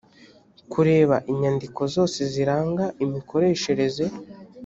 kureba inyandiko zose ziranga imikoreshereze